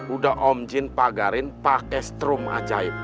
udah om jin pagarin pakai strum ajaib